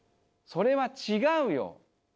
それは違うよ！